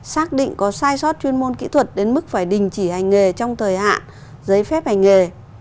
xác định có sai sót chuyên môn kỹ thuật đến mức phải đình chỉ hành nghề trong thời hạn giấy phép hành nghề